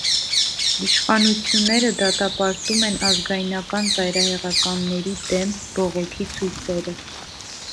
Իշխանությունները դատապարտում են ազգայնական ծայրահեղականների դեմ բողոքի ցույցերը։